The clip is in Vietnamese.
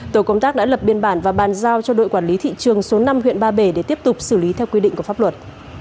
tổ công tác đã lập biên bản và bàn giao cho đội quản lý thị trường số năm huyện ba bể để tiếp tục xử lý theo quy định của pháp luật